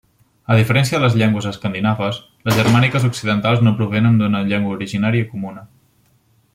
A diferència de les llengües escandinaves, les germàniques occidentals no provenen d'una llengua originària comuna.